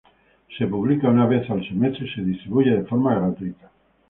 Se publica una vez al semestre y se distribuye de forma gratuita.